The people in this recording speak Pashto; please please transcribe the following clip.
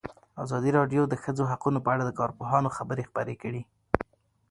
ازادي راډیو د د ښځو حقونه په اړه د کارپوهانو خبرې خپرې کړي.